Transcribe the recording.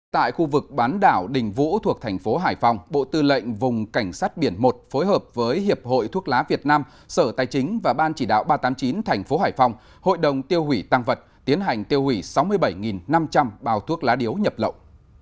tại khu vực bán đảo đình vũ thuộc thành phố hải phòng bộ tư lệnh vùng cảnh sát biển một phối hợp với hiệp hội thuốc lá việt nam sở tài chính và ban chỉ đạo ba trăm tám mươi chín thành phố hải phòng hội đồng tiêu hủy tăng vật tiến hành tiêu hủy sáu mươi bảy năm trăm linh bào thuốc lá điếu nhập lậu